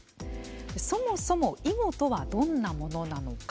そもそも囲碁とはどんなものなのか。